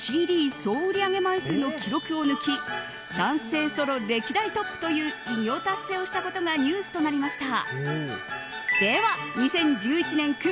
総売り上げ枚数の記録を抜き男性ソロ歴代トップという偉業達成したことがニュースとなりました。